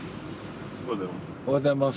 おはようございます。